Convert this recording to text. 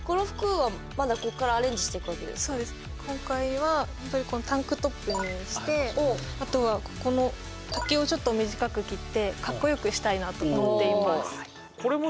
今回はやっぱりタンクトップにしてあとはここの丈をちょっと短く切ってカッコよくしたいなと思っています。